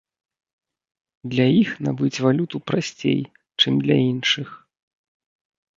Для іх набыць валюту прасцей, чым для іншых.